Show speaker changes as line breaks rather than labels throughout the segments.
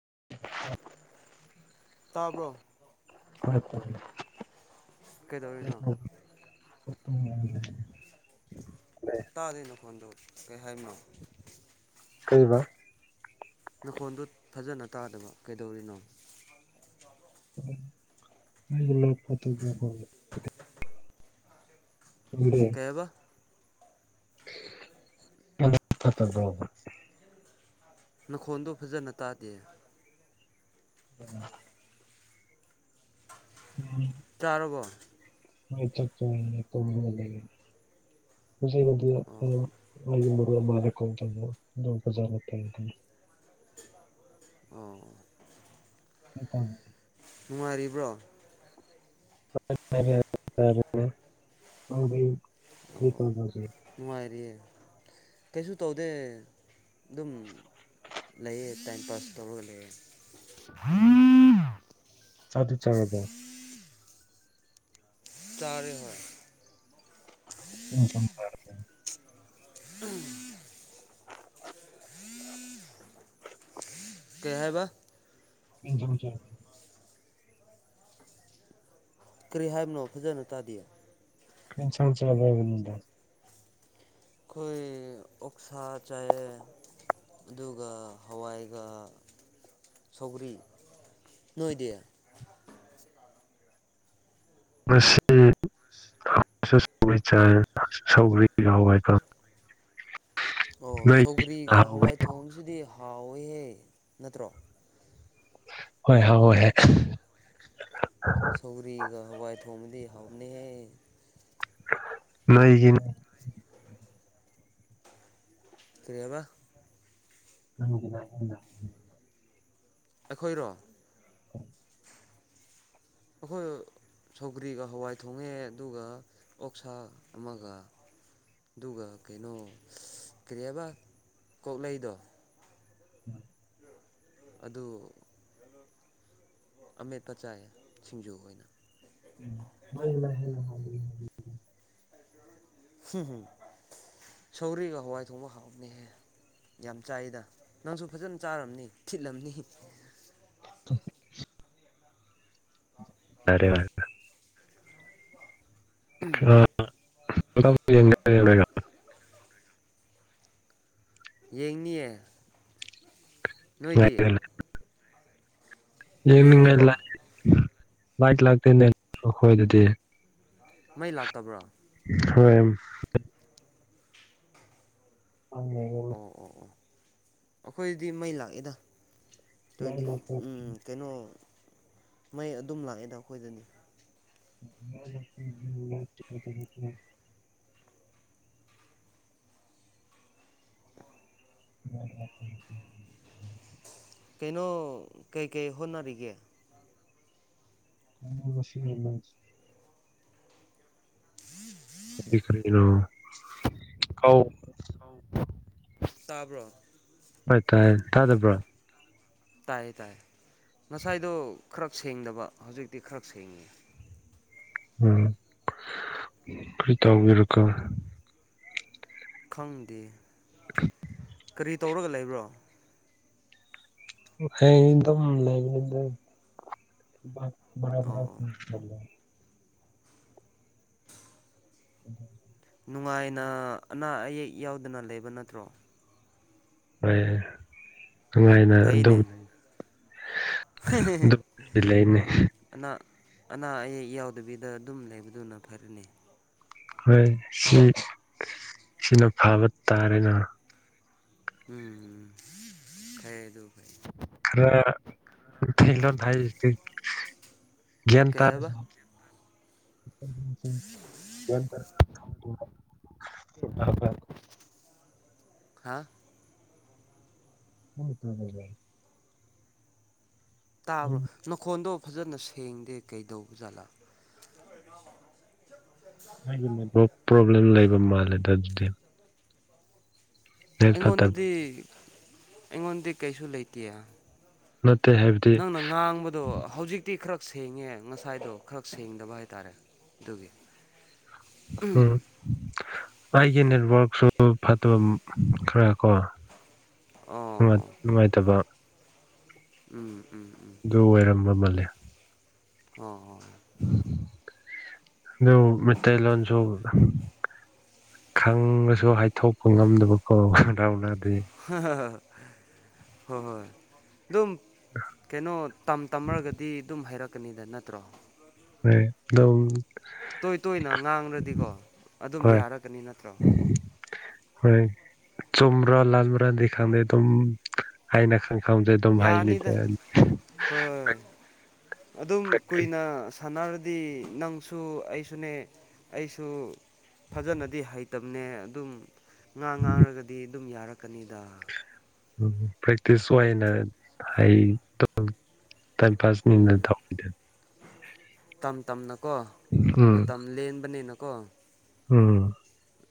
[unintelligible]
ꯇꯥꯕ꯭ꯔꯣ꯫ ꯀꯩꯗꯧꯔꯤꯅꯣ
[unintelligible]
ꯇꯥꯗꯦ ꯅꯈꯣꯟꯗꯣ ꯀꯩ ꯍꯥꯏꯕꯅꯣ꯫
ꯀꯩꯕ꯫
ꯅꯈꯣꯟꯗꯨ ꯐꯖꯅ ꯇꯥꯗꯕ ꯀꯩꯗꯧꯔꯤꯅꯣ꯫
[unintelligible] ꯇꯨꯝꯒꯦ꯫
ꯀꯩꯏꯕ꯫
[inaudible]
ꯅꯈꯣꯟꯗꯣ ꯐꯖꯅ ꯇꯥꯗꯦ꯫
[inaudible] [unintelligible]
ꯇꯥꯔꯕꯣ
ꯍꯣꯏ ꯆꯥꯛ ꯆꯒꯦꯅ ꯇꯧꯔꯒ ꯂꯩꯕꯅꯦ ꯄꯨꯟꯁꯤꯕꯗꯨ
ꯑꯣ
ꯃꯌꯨꯝ ꯂꯩꯒꯗꯕ ꯃꯥꯜꯂꯦ
ꯑꯣ
[unintelligible]
ꯅꯨꯡꯉꯥꯏꯔꯤꯕ꯭ꯔꯣ
[unintelligible]
ꯑꯣ ꯅꯨꯡꯉꯥꯏꯔꯤꯌꯦ ꯀꯩꯁꯨ ꯇꯧꯗꯦ ꯑꯗꯨꯝ ꯂꯩꯌꯦ ꯇꯥꯏꯝ ꯄꯥꯁ ꯇꯧꯔꯒ ꯂꯩꯌꯦ
ꯆꯥꯛ ꯇꯤ ꯆꯥꯔꯕꯣ
ꯆꯥꯔꯦ ꯍꯣꯏ
ꯀꯨ ꯏꯟꯖꯥꯡ
ꯎꯝ ꯀꯩ ꯍꯥꯏꯕ
[unintelligible]
ꯀꯔꯤ ꯍꯥꯏꯕꯅꯣ ꯐꯖꯅ ꯇꯥꯗꯤꯌꯦ
ꯀꯩ ꯏꯟꯁꯥꯡ ꯆꯒꯦ ꯍꯥꯢꯕꯅꯤꯗꯥ
ꯈꯣꯏ ꯑꯣꯛꯁꯥ ꯆꯥꯏ ꯑꯗꯨꯒ ꯍꯋꯥꯏꯒ ꯁꯧꯒꯔꯤ ꯅꯣꯏꯗꯤ
ꯉꯁꯤ ꯁꯧꯒ꯭ꯔꯤ ꯍꯥꯋꯥꯏꯒ
ꯑꯣ ꯁꯧꯒ꯭ꯔꯤꯒ ꯍꯋꯥꯏ ꯊꯣꯡꯁꯤꯗꯤ ꯍꯥꯎꯋꯦꯍꯦ ꯅꯠꯇ꯭ꯔꯣ
ꯍꯣꯏ ꯍꯥꯎꯋꯦ
ꯁꯧꯑꯔꯤꯒ ꯍꯋꯥꯏ ꯊꯣꯡꯕꯗꯤ ꯍꯥꯎꯕꯅꯤꯍꯦ
ꯅꯣꯢꯒꯤ
ꯀ꯭ꯔꯤꯍꯥꯢꯕ
[unintelligible]
ꯑꯩꯈꯣꯏꯔꯣ
[inaudible]
ꯑꯩꯈꯣꯏ ꯁꯧꯒ꯭ꯔꯤꯒ ꯍꯋꯥꯏ ꯊꯣꯡꯉꯦ ꯑꯗꯨꯒ ꯑꯣꯛꯁꯥ ꯑꯃꯒ ꯑꯗꯨꯒ ꯀꯩꯅꯣ ꯀꯔꯤ ꯍꯥꯏꯕ ꯀꯣꯛꯂꯩꯗꯣ
[inaudible]
ꯑꯗꯨ ꯑꯃꯦꯠꯄ ꯆꯥꯏꯌꯦ ꯁꯤꯡꯖꯨ ꯑꯣꯏꯅ
[unintelligible]
ꯎꯝ ꯁꯧꯒꯔꯤꯒ ꯍꯋꯥꯏ ꯊꯣꯡꯕ ꯍꯥꯎꯕꯅꯦꯍꯦ ꯌꯥꯝ ꯆꯥꯏꯗ ꯅꯪꯁꯨ ꯐꯖꯅ ꯆꯥꯔꯝꯅꯤ ꯊꯤꯠꯂꯝꯅꯤ
[inaudible] ꯌꯥꯔꯦ ꯃꯥ [unintelligible]
ꯌꯦꯡꯅꯤꯌꯦ ꯅꯣꯏꯗꯤ
ꯌꯦꯡꯅꯤꯡꯉꯥꯏ
ꯌꯦꯡꯅꯤꯀꯣ
ꯂ ꯂꯥꯏꯠ ꯂꯥꯛꯇꯣꯏꯅꯦ ꯑꯩꯈꯣꯏꯗꯗꯤ
ꯃꯩ ꯂꯥꯛꯇꯕ꯭ꯔꯣ
ꯍꯣꯏ ꯑꯥ
ꯑꯣ ꯑꯣ ꯑꯩꯈꯣꯏꯗꯤ ꯃꯩ ꯂꯥꯛꯑꯦꯗ ꯇ꯭ꯋꯦꯟꯇꯤ ꯎꯝ ꯀꯩꯅꯣ ꯃꯩ ꯑꯗꯨꯝ ꯂꯥꯛꯑꯦꯗ ꯑꯩꯈꯣꯏꯗꯅꯤ
[unintelligible]
ꯀꯩꯅꯣ ꯀꯩꯀꯩ ꯍꯣꯠꯅꯔꯤꯒꯦ
ꯍ ꯂꯁꯤ ꯂꯁꯤ ꯔꯤꯅꯣ ꯀꯥꯎ
ꯇꯥꯕ꯭ꯔꯣ
ꯍꯣꯏ ꯇꯥꯏ ꯇꯥꯗꯕ꯭ꯔꯣ
ꯇꯥꯏꯌꯦ ꯇꯥꯏ ꯉꯁꯥꯏꯗꯣ ꯈꯔ ꯁꯦꯡꯗꯕ ꯍꯧꯖꯤꯛꯇꯤ ꯈꯔ ꯁꯦꯡꯉꯦ
ꯎꯝ ꯀꯔꯤ ꯇꯥꯎꯕꯤꯔꯀꯣ
ꯈꯪꯗꯦ ꯀꯔꯤ ꯇꯧꯔꯒ ꯂꯩꯕ꯭ꯔꯣ
ꯍꯗꯝ ꯂꯩꯕꯅꯦ ꯂꯩꯔꯔ
ꯑꯣ
ꯐꯂꯦ ꯑꯗꯨꯗ
ꯅꯨꯡꯉꯥꯏꯅ ꯑꯅꯥ ꯑꯌꯦꯛ ꯌꯥꯎꯗꯅ ꯂꯩꯕ ꯅꯠꯇ꯭ꯔꯣ
ꯍ ꯅꯨꯡꯉꯥꯏꯅ
ꯐꯩꯅꯦ
ꯂꯩꯅꯦ
ꯑꯅꯥ ꯑꯅꯥ ꯑꯌꯦꯛ ꯌꯥꯎꯗꯕꯤꯗ ꯑꯗꯨꯝ ꯂꯩꯕꯗꯨꯅ ꯐꯔꯅꯤ
ꯍꯣꯏ ꯁꯤ ꯁꯤꯅ ꯐꯕ ꯇꯥꯔꯦꯅ
ꯎꯝ ꯐꯩꯦ ꯑꯗꯨ ꯐꯩ
ꯈꯔ ꯊꯂꯣ ꯊ ꯒ꯭ꯟ
ꯀꯩ
ꯇꯥ
ꯍꯥꯏꯕ
ꯇ
ꯍꯥꯥ
ꯍ ꯇ ꯑꯗꯨ ꯑꯗꯨꯦ
ꯇꯥꯕ꯭ꯔꯣ ꯅꯈꯣꯟꯗꯣ ꯐꯖꯅ ꯁꯦꯡꯗꯦ ꯀꯩꯗꯧꯕ ꯖꯥꯠꯂꯥ
ꯑꯩꯒꯤ ꯅꯦꯠꯋ ꯄ꯭ꯔꯣꯕ꯭ꯂꯦꯝ ꯂꯩꯕ ꯃꯥꯜꯂꯦꯗ ꯑꯗꯨꯗꯤ ꯅꯦꯠ ꯐꯠꯇꯕ
ꯑꯩꯉꯣꯟꯗꯗꯤ ꯑꯩꯉꯣꯟꯗꯤ ꯀꯩꯁꯨ ꯂꯩꯇꯦꯦ
ꯅꯠꯇꯦ ꯍꯥꯏꯕꯗꯤ
ꯅꯪꯅ ꯉꯥꯡꯕꯗꯣ ꯍꯧꯖꯤꯛ ꯇꯤ ꯈꯔ ꯁꯦꯡꯉꯦ ꯉꯁꯥꯏꯗꯣ ꯈꯔ ꯁꯦꯡꯗꯕ ꯍꯥꯏꯇꯥꯔꯦ ꯑꯗꯨꯒꯤ
ꯎꯝ ꯑꯩꯒꯤ ꯅꯦꯠꯋꯔꯛꯁꯨ ꯐꯠꯇꯕ ꯈꯔ ꯀꯣ ꯥꯏ
ꯑꯣ ꯑꯣ
ꯅꯨꯡꯉꯥꯏꯇꯕ
ꯎꯝ ꯎꯝ ꯎꯝ
ꯑꯗꯨ ꯑꯣꯏꯔꯝꯕ ꯃꯥꯜꯂꯦ
ꯑꯣ ꯍ
ꯑꯗꯨ ꯃꯊꯩ ꯂꯣꯟꯣꯟꯁꯨ ꯈꯪꯉꯁꯨ ꯍꯥꯏꯊꯣꯛꯄ ꯉꯝꯗꯕꯀꯣ ꯔ ꯔꯎꯅꯥꯗꯤ
ꯍ ꯍ ꯍ ꯍꯣꯏ ꯍꯣꯏ ꯑꯗꯨꯝ ꯀꯩꯅꯣ ꯇꯝ ꯇꯝꯃꯒꯗꯤ ꯑꯗꯨꯝ ꯍꯥꯏꯩꯔꯛꯀꯅꯤꯗ ꯅꯠꯇ꯭ꯔꯣ
ꯍꯣꯏ ꯑꯗꯨꯝ
ꯇꯣꯏ ꯇꯣꯏꯅ ꯉꯥꯡꯂ꯭ꯔꯗꯤꯀꯣ ꯑꯗꯨꯝ
ꯍꯣꯏ
ꯌꯥꯔꯛꯀꯅꯤ ꯅꯠꯇ꯭ꯔꯣ
ꯍꯣꯏ ꯆꯨꯝꯕ꯭ꯔꯥ ꯂꯜ꯭ꯔꯥꯗꯤ ꯈꯪꯗꯦ ꯑꯗꯨꯝ ꯍꯥꯏꯅ ꯈꯪ
ꯌꯥꯅꯤꯗ ꯍꯣꯏ ꯑꯗꯨꯝ ꯀꯨꯏꯅ ꯁꯥꯟꯅꯔꯗꯤ ꯅꯪꯁꯨ ꯑꯩꯁꯨꯅꯦ ꯑꯩꯁꯨ ꯐꯖꯅꯗꯤ ꯍꯩꯇꯕꯅꯦ ꯑꯗꯨꯝ ꯉꯥꯡ ꯉꯥꯡꯔꯒꯗꯤ ꯑꯗꯨꯝ ꯌꯥꯔꯛꯀꯅꯤꯗ
ꯎ ꯄ꯭ꯔꯦꯛꯇꯤꯁꯅ ꯍꯥꯏ ꯇꯥꯏ ꯐꯥꯁ ꯃꯤ
ꯎꯝ
ꯇꯗ
ꯇꯝ ꯇꯝꯅꯀꯣ
ꯎꯝ
ꯃꯇꯝ ꯂꯦꯟꯕꯅꯤꯅꯀꯣ
ꯎꯝ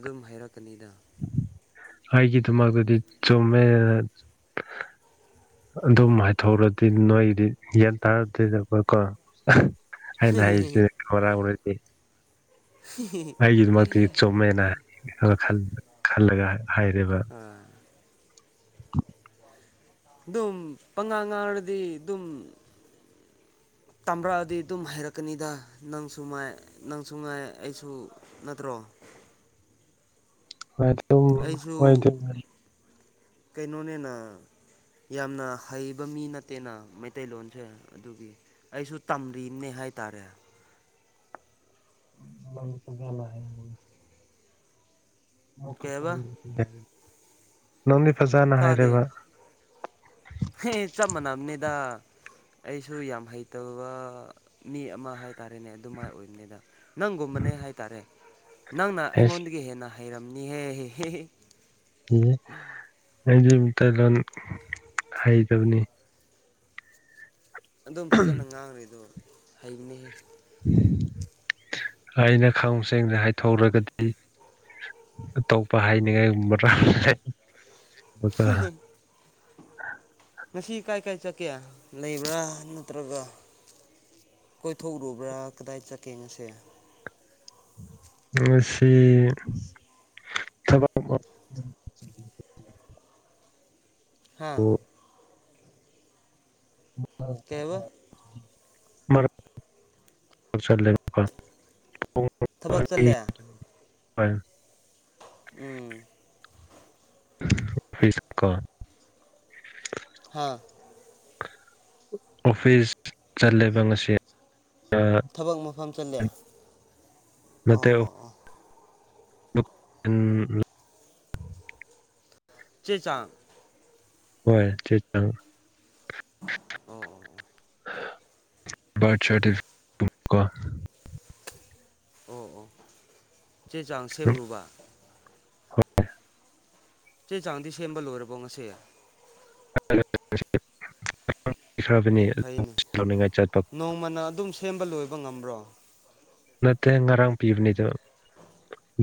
ꯑꯗꯨꯝ ꯍꯥꯏꯔꯛꯀꯅꯤꯗ
ꯍꯥꯏꯒꯤꯦꯗꯨꯃꯗꯤ ꯁꯣꯃꯦ ꯑꯗꯨꯝ ꯍꯥꯏꯊꯣꯛꯔꯗꯤ ꯅꯣꯏꯗꯤ ꯒ꯭ꯌꯥꯟ ꯇꯥꯔꯗꯣꯏꯦꯗꯀꯣ ꯑꯩꯅ ꯍꯥꯏꯁꯦ ꯈꯔꯥꯡꯅꯗꯤꯦ ꯑꯩꯒꯤꯗꯃꯛꯇꯗꯤ ꯆꯨꯝꯃꯦꯅ ꯈꯜꯂꯒ ꯍꯥꯏꯔꯦꯕ [unintelligible]
ꯑꯗꯨꯝ ꯄꯪꯉꯥꯡ ꯉꯥꯔꯗꯤ ꯑꯗꯨꯝ ꯇꯥꯔꯛꯑꯗꯤ ꯑꯗꯨꯝ ꯍꯩꯔꯛꯀꯅꯤꯗ ꯅꯪꯁꯨ ꯃꯥꯏ ꯅꯪꯁꯨ ꯉꯥꯏ ꯑꯩꯁꯨ ꯅꯠꯇ꯭ꯔꯣ
ꯍ
ꯑꯩꯁꯨ ꯀꯩꯅꯣꯅꯤꯅ ꯌꯥꯝꯅ ꯍꯩꯕ ꯃꯤ ꯅꯠꯇꯦꯅ ꯃꯩꯇꯩꯂꯣꯟꯁꯦ ꯑꯗꯨꯒꯤ ꯑꯩꯁꯨ ꯇꯝꯔꯤꯅꯦ ꯍꯥꯏꯇꯥꯔꯦ
ꯆ ꯅꯦ
ꯀꯩ ꯍꯥꯏꯕ
ꯅꯪꯗꯤ ꯐꯖꯅ ꯍꯥꯏꯔꯕ
ꯑꯦ ꯆꯞ ꯃꯥꯟꯅꯕꯅꯦꯗ ꯑꯩꯁꯨ ꯌꯥꯝ ꯍꯩꯇꯕ ꯃꯤ ꯑꯃ ꯍꯥꯏ ꯍꯥꯏꯔꯦꯅꯦ ꯑꯗꯨꯃꯥꯏꯅ ꯑꯣꯏꯕꯅꯤꯗ ꯅꯪꯒꯨꯝꯕꯅꯦ ꯍꯥꯏ ꯇꯔꯦ ꯅꯪꯅ
ꯑꯦꯁ
ꯑꯩꯉꯣꯟꯗꯒꯤ ꯍꯦꯟꯅ ꯍꯥꯏ ꯍꯩꯔꯝꯅꯤꯍꯦ
ꯑꯩꯗꯤ ꯃꯇꯩꯂꯣꯟ ꯍꯩꯇꯕꯅꯤ
ꯑꯗꯨꯝ ꯐꯖꯅ ꯉꯥꯡꯅꯔꯤꯗꯣ ꯍꯩꯕꯅꯤꯍꯦ
ꯑꯩꯅ ꯈꯪ ꯁꯦꯡꯅꯦ ꯍꯥꯏꯊꯣꯛꯎꯔꯒꯗꯤ ꯑꯇꯣꯞꯄ ꯍꯥꯏꯅꯤꯡꯉꯥꯏꯒꯨꯝꯕꯗ꯭ꯔꯥ
[unintelligible] ꯉꯁꯤ ꯀꯥꯏ ꯀꯥꯏ ꯆꯠꯀꯦ ꯂꯩꯕ꯭ꯔꯥ ꯅꯠꯇ꯭ꯔꯒ ꯀꯣꯏꯊꯣꯛꯎꯔꯨꯕ꯭ꯔꯥ ꯀꯗꯥꯏ ꯆꯠꯀꯦꯉꯁꯦ
ꯃꯁꯤ ꯊꯕ
ꯍꯥ
ꯑꯣ
ꯀꯦꯕ
ꯃꯔꯂ
ꯊꯕꯛ ꯆꯠꯂꯦ ꯎꯝ
ꯐꯀꯥ
ꯍꯥꯥ
ꯑꯣꯐꯤꯁ ꯆꯠꯂꯕ ꯉꯁꯤ ꯑ
ꯊꯕꯛ ꯃꯐꯝ ꯆꯠꯂꯦ
ꯃ
ꯑꯣ ꯑꯣ ꯑꯣ
ꯎꯝ
ꯆꯦ ꯆꯥꯛ
ꯍꯣꯏ ꯆ ꯊ
ꯑꯣ ꯑꯣ ꯑꯣ
ꯔꯊ ꯁꯔꯇꯤꯐꯦꯠ
ꯑꯣ ꯑꯣ ꯆꯦꯖꯥꯡ ꯁꯦꯝꯦꯝ ꯔꯨꯕꯕꯥ
ꯍꯣꯏ
ꯆꯦ ꯆꯥꯡꯗꯤ ꯁꯦꯝꯕ ꯂꯣꯏꯔꯕꯣ ꯉꯁꯦ
ꯈ꯭ꯔꯕꯅꯤ
ꯐꯩꯅꯦ
ꯂꯧꯅꯤꯡꯉꯥꯏ ꯆꯠꯄ
ꯅꯣꯡꯃꯅ ꯑꯗꯨꯝ ꯁꯦꯝꯦꯝꯕ ꯂꯣꯏꯕ ꯉꯝꯕ꯭ꯔꯣ
ꯅꯠꯇꯦ ꯉꯔꯥꯡ ꯄꯤꯕꯅꯤꯗ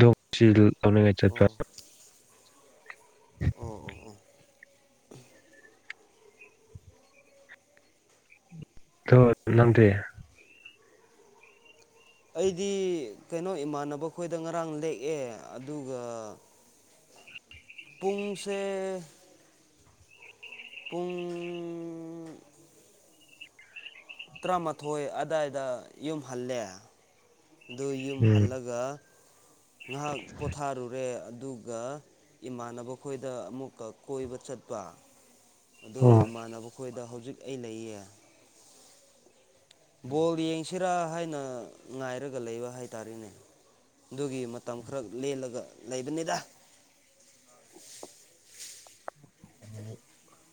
ꯣꯡꯁꯤ ꯂꯧꯅꯤꯡꯉꯥꯏ ꯆꯠꯄ
ꯑꯣ
[unintelligible] [inaudible]
ꯑꯣꯑ ꯑꯣꯑ ꯑꯥ
ꯑꯣꯗꫭ ꯅꯪꯗꯤ
ꯑꯩꯗꯤ ꯀꯩꯅꯣ ꯏꯃꯥꯟꯅꯕꯈꯣꯏꯗꯥ ꯉꯔꯥꯡ ꯂꯦꯛꯑꯦ ꯑꯗꯨꯒꯥ꯫ ꯄꯨꯡꯡꯁꯦ꯫ ꯄꯨꯡꯡ ꯇꯔꯥꯃꯥꯊꯣꯏ ꯑꯗꯥꯏꯗꯥ ꯌꯨꯝ ꯍꯜꯂꯦ꯫ ꯑꯗꫭ ꯌꯨꯝ
ꯎꯝ
ꯍꯜꯂꯒꯥ ꯉꯥꯏꯍꯥꯛ ꯄꯣꯊꯥꯔꯨꯔꯦ ꯑꯗꯨꯒꯥ ꯏꯃꯥꯟꯅꯕ ꯈꯣꯏꯗꯥ ꯑꯃꯨꯛꯀ ꯀꯣꯏꯕ ꯆꯠꯄꯥ꯫
ꯑꯣ
ꯑꯗꫭ ꯏꯃꯥꯟꯅꯕ ꯈꯣꯏꯗꯥ ꯍꯧꯖꯤꯛ ꯑꯩ ꯂꯩꯌꯦ꯫ ꯕꯣꯜ ꯌꯦꯡꯁꯤꯔꯥꯅ ꯍꯥꯏꯅ ꯉꯥꯏꯔꯒ ꯂꯩꯕꯥ ꯍꯥꯏꯇꯥꯔꯅꯦ꯫ ꯑꯗꯨꯒꯤ ꯃꯇꯝ ꯈꯔꯛ ꯂꯦꯜꯂꯒꯥ ꯂꯩꯕꯅꯤꯗꯥ꯫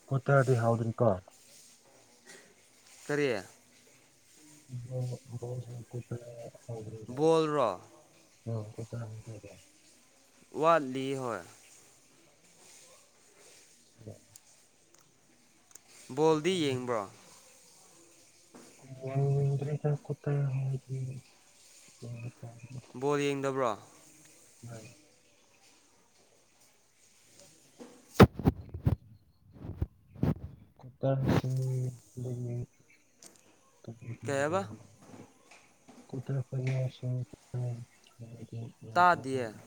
ꯀꯠꯇ ꯍꯥꯏꯔꯗꯤ ꯍꯥꯎꯗ꯭ꯔꯤ ꯀꯣ [unintelligible]
ꯀꯔꯔꯤ
ꯍ ꯍ ꯁꯀꯠꯇ [unintelligible] [inaudible]
ꯕꯣꯜꯕꯨꯔꯣ
ꯇꯔꯥ ꯃꯊꫭꯏ ꯇꯥꯕ ꯁꯨꯗꯥꯏꯗꯩ
ꯋꯥꯠꯂꯤꯗ ꯍꯣꯏꯏ
ꯑꯣ [unintelligible] [inaudible]
ꯕꯣꯜꯗꯨ ꯌꯦꯡꯕ꯭ꯔꯣ??
ꯀꯣꯠꯇ ꯍ [unintelligible]
ꯕꯣꯜ ꯌꯦꯡꯗꯕ꯭ꯔꯣ?
ꯍ [unintelligible] [inaudible]
[inaudible]
ꯀꯨꯀꯔ ꯃꯦꯁꯤꯟ ꯂꯩꯅꯤꯡꯏ
ꯀꯩ ꯍꯥꯏꯕ
ꯀ ꯇꯔ ꯐꯁꯤꯡ [unintelligible]
ꯇꯥꯗꯦꯌ°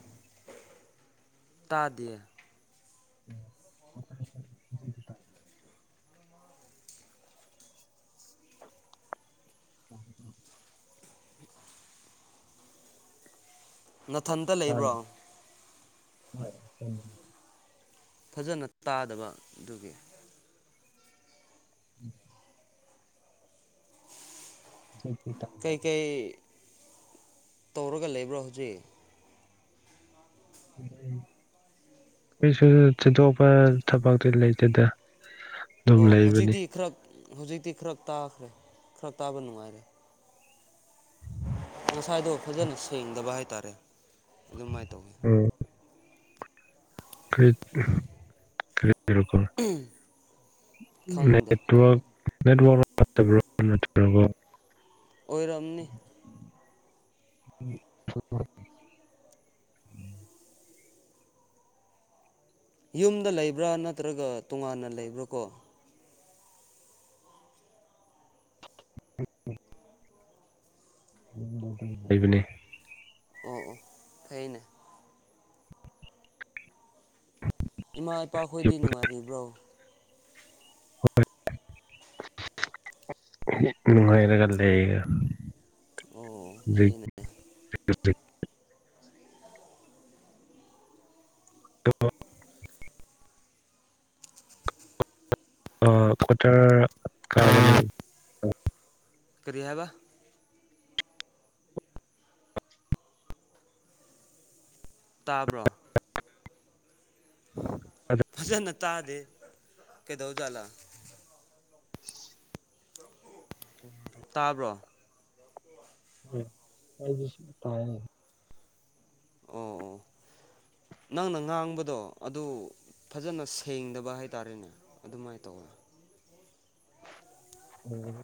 ꯇꯥꯗꯦ꯫
[unintelligible] [inaudible] ꯀ [unintelligible] [inaudible]
ꯅꯊꯟꯇꯥ ꯂꯩꯕ꯭ꯔꯣ꯫
ꯂꯩꯇꯦ
ꯐꯖꯅꯥ ꯇꯥꯗꯕꯥ ꯑꯗꯨꯒꯤꯅꯤ
ꯎꯝ [unintelligible]
ꯀꯩꯀꯩ ꯇꯧꯔꯒꯥ ꯂꯩꯕ꯭ꯔꯣ ꯍꯧꯖꯤꯛ?
ꯀꯁꯨ ꯊꫭꯏꯗꯣꯛꯄꯥ ꯊꯕꯛꯇꯤ ꯂꯩꯇꯦꯗ ꯑꯗꯨꯝ
ꯑꯣꯑ
ꯂꯩꯕꯅꯤ
ꯍꯧꯖꯤꯛꯇꯤ ꯈꯔ ꯍꯧꯖꯤꯛꯇꯤ ꯈꯔꯥ ꯇꯥꯈ꯭ꯔꯦ ꯈꯔꯥ ꯇꯥꯕ ꯅꯨꯡꯉꯥꯏꯔꯦ꯫ ꯏꯁꯥꯗꯣ ꯈꫭꯟꯖ°ꯅ ꯁꯦꯡꯗꯕ ꯍꯥꯏꯇꯥꯔꯦ ꯑꯗꯨꯃꯥꯏꯅ ꯇꯧꯋꯤ꯫
ꯎꯝꯝ ꯔꯤꯔꯤ ꯅꯦꯠꯋꯔꯛ [unintelligible]
ꯈꯪꯗꯦ
[inaudible] ꯅꯦꯠꯋꯥꯡ ꯐꯠꯇꯕꯩ ꯇꯠꯇꯕꯔꫭ
ꯑꯣꯏꯔꯝꯅꯤ
ꯎ [unintelligible] [inaudible]
ꯌꯨꯝꯗꯥ ꯂꯩꯕ꯭ꯔꯥ ꯅꯠꯇ꯭ꯔꯒꯥ ꯇꯣꯉꯥꯟꯅ ꯂꯩꯕ꯭ꯔꯥ ꯀꯣ??
ꯌꯨꯝꯗ ꯘꯗꯨꯝ ꯂꯩꯕꯅꯤ
ꯑꯣꯑ ꯑꯣꯑ ꯐꯩꯅꯦ꯫ ꯏꯃꯥ ꯏꯄꯥ ꯈꯣꯏꯗꯨ ꯅꯨꯡꯉꯥꯏꯔꯤꯕ꯭ꯔꯣ?
ꯍꯥꯏ ꯅꯨꯡꯉꯥꯏꯔꯥꯒꯥ ꯔꯩ
ꯑꯣ
[unintelligible]
ꯐꯩꯅꯦ
[inaudible] ꯑꯗꫭ ꯑꯥꯥ ꯀ꯭ꯋꯥꯇꯔꯥ ꯀꯥꯒꯅꯤ꯫
ꯀꯔꯤ ꯍꯥꯏꯕꯅꫭ ꯇꯥꯕ꯭ꯔꯣ ꯐꯖꯅ ꯇꯥꯗꯦ ꯀꯩꯗꯧꯖꯂ ꯇꯥꯕ꯭ꯔꯣ
ꯎ ꯑꯩꯗꯤꯁꯨ ꯇꯥꯏ
ꯑꯣ
[inaudible]
ꯅꯪꯅ ꯉꯥꯡꯕꯗꯣ ꯑꯗꯨ ꯐꯖꯅ ꯁꯦꯡꯗꯕ ꯍꯥꯏꯇꯥꯔꯦꯅꯦ ꯑꯗꯨꯃꯥꯏꯅ ꯇꯧꯋꯦ
ꯎꯝ